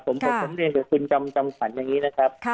ผมเรียนคุณคำสั่งอย่างนี้นะครับ